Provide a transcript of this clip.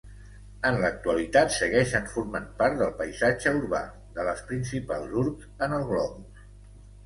En l'actualitat segueixen formant part del paisatge urbà de les principals urbs en el globus.